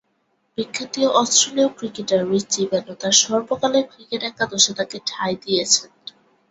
বিখ্যাত অস্ট্রেলীয় cricketer Richie Benaud তার সর্বকালের ক্রিকেট একাদশে তাকে ঠাঁই দিয়েছেন।